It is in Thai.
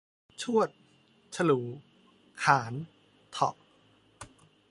ชวด ฉลู ขาล เถาะ